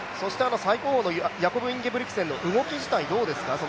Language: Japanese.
最後方のヤコブ・インゲブリクセンの動きはどうですか？